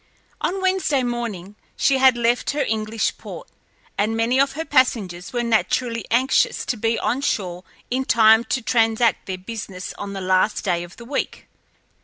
On Wednesday morning she had left her English port, and many of her passengers were naturally anxious to be on shore in time to transact their business on the last day of the week.